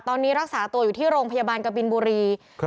ตอนนี้รักษาตัวอยู่ที่โรงพยาบาลกบินบุรี